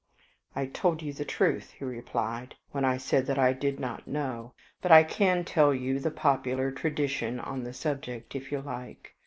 "I told you the truth," he replied, "when I said that I did not know; but I can tell you the popular tradition on the subject, if you like.